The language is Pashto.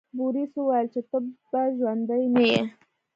بوریس وویل چې ته به ژوندی نه یې.